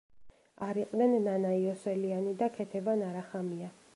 არ იყვნენ ნანა იოსელიანი და ქეთევან არახამია.